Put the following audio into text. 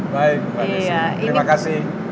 baik terima kasih